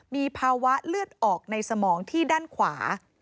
มีภาวะเลือดออกในสมองที่ด้านขวา